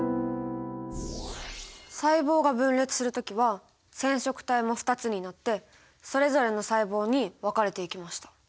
細胞が分裂する時は染色体も２つになってそれぞれの細胞に分かれていきました。